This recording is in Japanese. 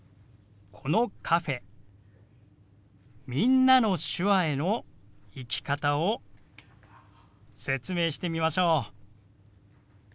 このカフェ「みんなの手話」への行き方を説明してみましょう。